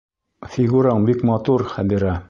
Фигураң бик матур, Хәбирә!